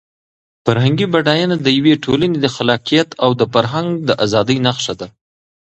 فرهنګي بډاینه د یوې ټولنې د خلاقیت او د فکر د ازادۍ نښه ده.